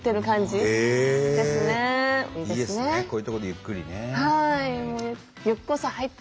こういうとこでゆっくりね。